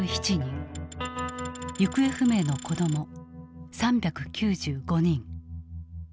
行方不明の子ども３９５人。